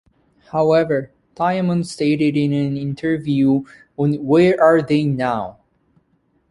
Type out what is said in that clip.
However, Diamond stated in an interview on Where Are They Now?